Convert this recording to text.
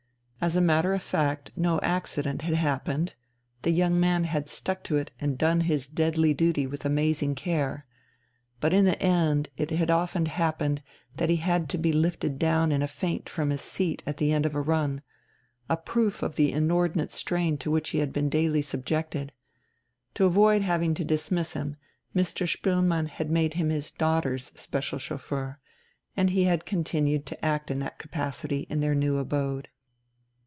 As a matter of fact no accident had happened; the young man had stuck to it and done his deadly duty with amazing care. But in the end it had often happened that he had to be lifted down in a faint from his seat at the end of a run a proof of the inordinate strain to which he had been daily subjected. To avoid having to dismiss him, Mr. Spoelmann had made him his daughter's special chauffeur, and he had continued to act in that capacity in their new abode.